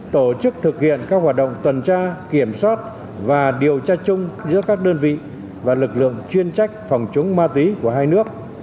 tổ chức thực hiện các hoạt động tuần tra kiểm soát và điều tra chung giữa các đơn vị và lực lượng chuyên trách phòng chống ma túy của hai nước